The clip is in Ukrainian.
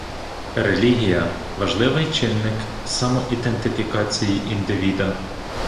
Релігія - важлий чинник самоідентифікації індивіда